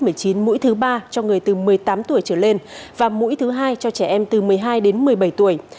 mũi thứ ba cho người từ một mươi tám tuổi trở lên và mũi thứ hai cho trẻ em từ một mươi hai đến một mươi bảy tuổi